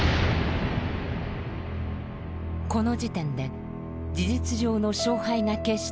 この時点で事実上の勝敗が決していた沖縄戦。